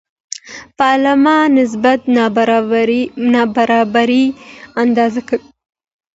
پالما نسبت نابرابري اندازه کوي.